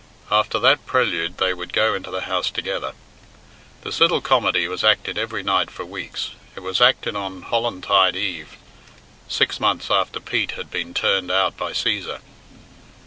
After that prelude they would go into the house together. This little comedy was acted every night for weeks. It was acted on Hollantide Eve six months after Pete had been turned out by Cæsar.